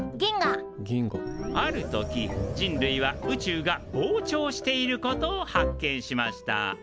ある時人類は宇宙が膨張していることを発見しました。